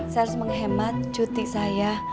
saya harus menghemat cuti saya